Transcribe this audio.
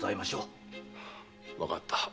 わかった。